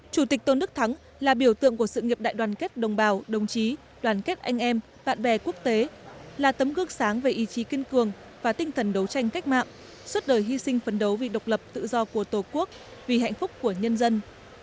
chủ tịch tôn đức thắng là biểu tượng của sự nghiệp đại đoàn kết đồng bào đồng chí đoàn kết anh em bạn bè quốc tế là tấm gương sáng về ý chí kiên cường và tinh thần đấu tranh cách mạng suốt đời hy sinh phấn đấu vì độc lập tự do của tổ quốc vì hạnh phúc của nhân dân